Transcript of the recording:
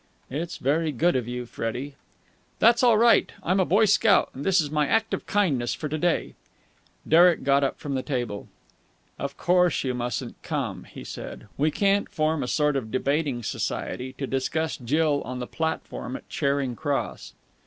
"It's very good of you, Freddie...." "That's all right. I'm a Boy Scout, and this is my act of kindness for to day." Derek got up from the table. "Of course you mustn't come," he said. "We can't form a sort of debating society to discuss Jill on the platform at Charing Cross."